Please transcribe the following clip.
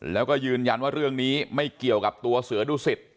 แล้วก็ยืนยันว่าเรื่องนี้ไม่เกี่ยวกับตัวเสือดุสิต